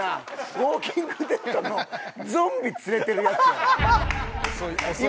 『ウォーキング・デッド』のゾンビ連れてるヤツやん。